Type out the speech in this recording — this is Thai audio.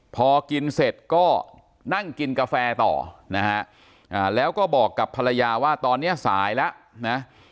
พอกินเสร็จก็นั่งกินกาแฟต่อนะฮะแล้วก็บอกกับภรรยาว่าตอนนี้สายแล้วนะ